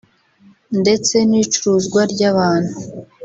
ndetse n’icuruzwa ry’abantu